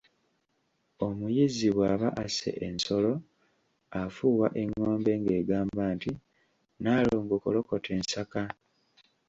Omuyizzi bw'aba asse ensolo afuuwa engombe ng'egamba nti 'Nnaalongo kolokota ensaka'.